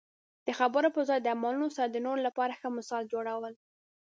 د خبرو په ځای د عملونو سره د نورو لپاره ښه مثال جوړول.